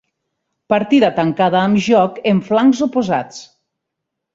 Partida tancada amb joc en flancs oposats.